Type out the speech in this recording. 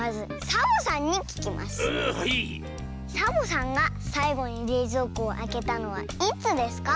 サボさんがさいごにれいぞうこをあけたのはいつですか？